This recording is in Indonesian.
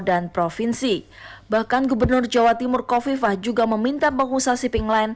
provinsi bahkan gubernur jawa timur kofifah juga meminta pengusaha shipping line